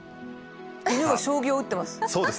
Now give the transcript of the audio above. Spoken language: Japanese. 犬が将棋を打ってます。